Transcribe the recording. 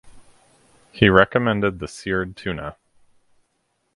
He recommended the seared tuna.